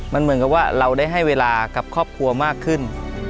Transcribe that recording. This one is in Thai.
มันเหมือนกับว่าเราได้ให้เวลากับครอบครัวมากขึ้น